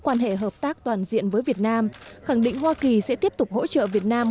quan hệ hợp tác toàn diện với việt nam khẳng định hoa kỳ sẽ tiếp tục hỗ trợ việt nam